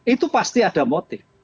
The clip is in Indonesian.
itu pasti ada motif